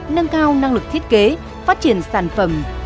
nâng cao năng lực thiết kế phát triển sản phẩm